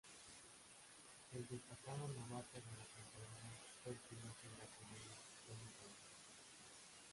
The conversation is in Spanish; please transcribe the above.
El destacado novato de la temporada, fue el piloto brasileño Tony Kanaan.